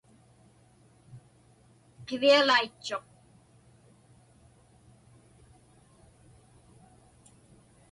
Qivialaitchuq.